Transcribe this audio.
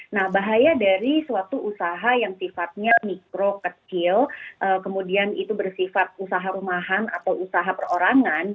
nah bahaya dari suatu usaha yang sifatnya mikro kecil kemudian itu bersifat usaha rumahan atau usaha perorangan